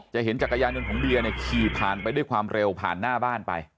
เห็นจักรยานยนต์ของเบียร์เนี่ยขี่ผ่านไปด้วยความเร็วผ่านหน้าบ้านไป